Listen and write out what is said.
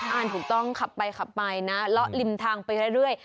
อ่านถูกต้องขับไปขับไปนะเลาะริมทางไปเรื่อย